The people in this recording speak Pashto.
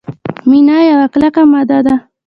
مینا یوه کلکه ماده ده.